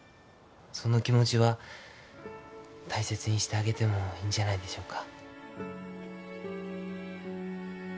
その気持ちは大切にしてあげてもいいんじゃないでしょうか。